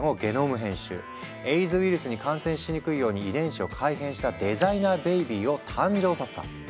エイズウイルスに感染しにくいように遺伝子を改変したデザイナーベビーを誕生させた。